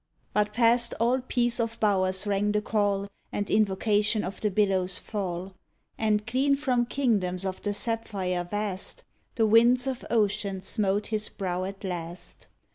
But past all peace of bowers rang the call And invocation of the billows' fall, And, clean from kingdoms of the sapphire vast. DUJNDON The winds of ocean smote his brow at last.